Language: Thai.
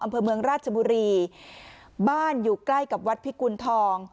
อำเภอเมืองราชบุรีบ้านอยู่ใกล้กับวัดพิกุณฑอง